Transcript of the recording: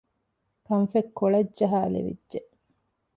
ކަންފަތް ކޮޅަށް ޖަހައިލެވިއްޖެ